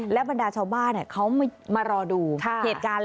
และบรรดาชาวบ้านเขามารอดูเหตุการณ์